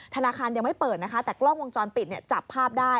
ธนาคารยังไม่เปิดนะคะแต่กล้องวงจรปิดเนี่ยจับภาพได้